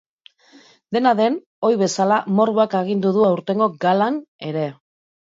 Dena den, ohi bezala, morboak agindu du aurtengo galan ere.